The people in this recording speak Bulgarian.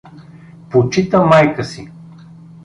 Почита майка си!